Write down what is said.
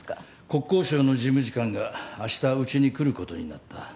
国交省の事務次官があしたうちに来ることになった。